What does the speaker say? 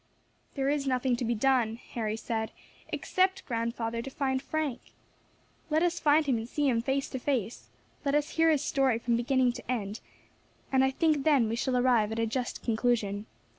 "There is nothing to be done," Harry said, "except, grandfather, to find Frank. Let us find him and see him face to face; let us hear his story from beginning to end, and I think then we shall arrive at a just conclusion.